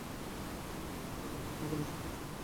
কসম কেটে বলছি তোমাকে অনুসরণ করছি না।